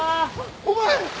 お前！